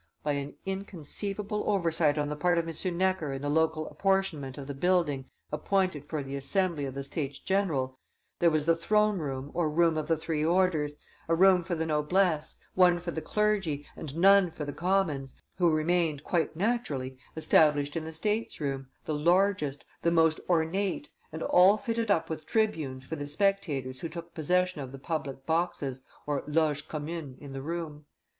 "By an inconceivable oversight on the part of M. Necker in the local apportionment of the building appointed for the assembly of the States general, there was the throne room or room of the three orders, a room for the noblesse, one for the clergy, and none for the commons, who remained, quite naturally, established in the states room, the largest, the most ornate, and all fitted up with tribunes for the spectators who took possession of the public boxes (loges communes) in the room.